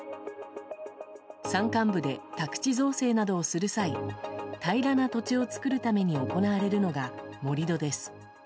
山間部で宅地造成などをする際平らな土地を作る際に行われるのが盛り土です。